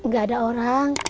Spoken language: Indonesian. gak ada orang